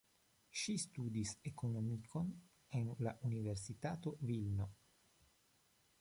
Ŝi studis ekonomikon en la Universitato Vilno.